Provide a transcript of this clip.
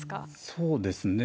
そうですね。